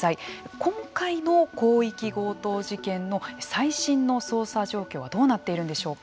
今回の広域強盗事件の最新の捜査状況はどうなっているんでしょうか。